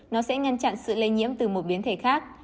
nó sẽ ngăn chặn sự lây nhiễm từ một biến thể khác